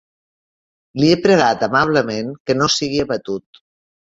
Li he pregat amablement que no sigui abatut.